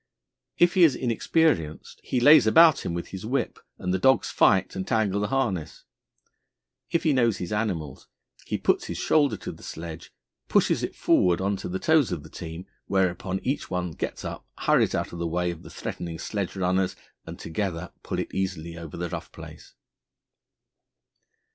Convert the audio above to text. If he is inexperienced, he lays about him with his whip and the dogs fight and tangle the harness; if he knows his animals, he puts his shoulder to the sledge, pushes it forward on to the toes of the team, whereupon each one gets up, hurries out of the way of the threatening sledge runners, and, together, pull it easily over the rough place.